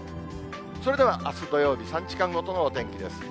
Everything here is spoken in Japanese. それではあす土曜日、３時間ごとのお天気です。